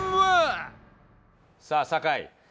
さあ酒井。